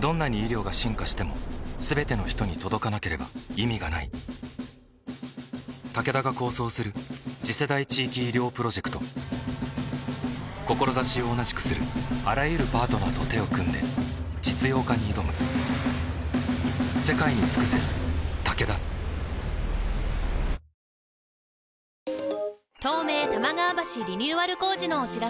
どんなに医療が進化しても全ての人に届かなければ意味がないタケダが構想する次世代地域医療プロジェクト志を同じくするあらゆるパートナーと手を組んで実用化に挑む東京・港区竹芝、この時間の気温は２５度を下回るようになっています。